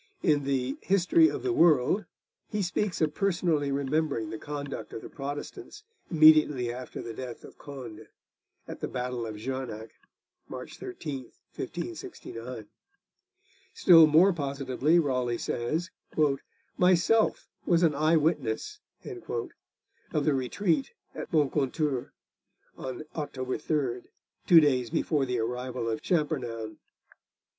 In the History of the World he speaks of personally remembering the conduct of the Protestants, immediately after the death of Condé, at the battle of Jarnac (March 13, 1569). Still more positively Raleigh says, 'myself was an eye witness' of the retreat at Moncontour, on October 3, two days before the arrival of Champernoun.